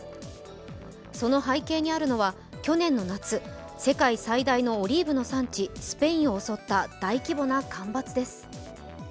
その背景にあるのは去年の夏世界最大のオリーブの産地スペインを襲った大規模な干ばつです。